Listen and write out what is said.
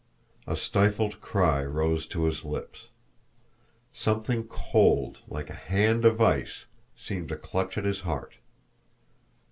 A stifled cry rose to his lips. Something cold, like a hand of ice, seemed to clutch at his heart.